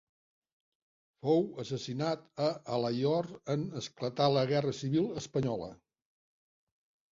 Fou assassinat a Alaior en esclatar la guerra civil espanyola.